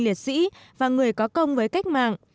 liệt sĩ và người có công với cách mạng